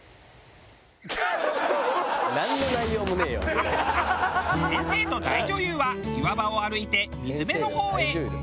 先生と大女優は岩場を歩いて水辺の方へ。